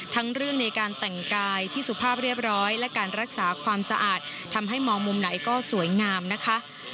ทั้งเรื่องในการแต่งกายที่สุภาพเรียบร้อยและการรักษาความสะอาดทำให้มองมุมไหนก็สวยงามนะคะ